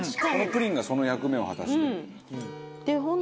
このプリンがその役目を果たしてる。